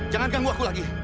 jangan ganggu aku lagi